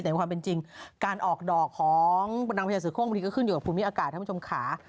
แต่ความเป็นจริงการออกดอกของนางพญาเสือโคกบางทีก็ขึ้นอยู่กับภูมิอากาศท่านผู้ชมค่ะ